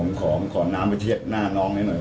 ผมขอน้ำไปเทียบหน้าน้องให้หน่อย